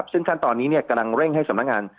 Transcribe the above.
ซึ่งขั้นตอนนี้กำลังเร่งให้สำนักงาน